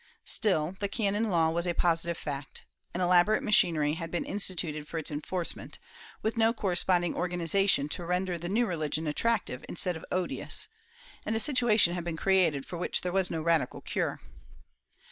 Still, the canon law was a positive fact; an elaborate machinery had been instituted for its enforcement, with no corresponding organization to render the new religion attract ive instead of odious, and a situation had been created for which there was no radical cure.